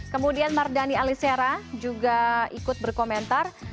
kemudian mardani alisera juga ikut berkomentar